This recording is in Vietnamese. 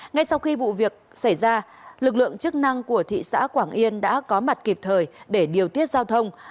ngay sau khi vụ việc xảy ra lực lượng chức năng của thị xã quảng yên đã có mặt kịp thời để điều tiết giao thông